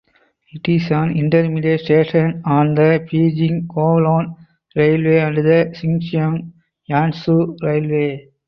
It is an intermediate station on the Beijing–Kowloon railway and the Xinxiang–Yanzhou railway.